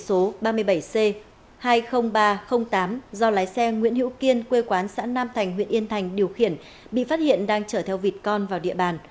xe ô tô tải mang biển số ba mươi bảy c hai mươi nghìn ba trăm linh tám do lái xe nguyễn hữu kiên quê quán xã nam thành huyện yên thành điều khiển bị phát hiện đang chở theo vịt con vào địa bàn